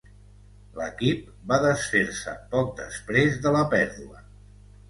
L'equip va desfer-se poc després de la pèrdua.